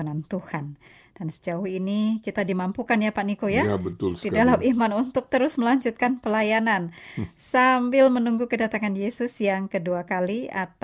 katakanlah kita mengaku menantikan kedatangan yesus yang kedua kali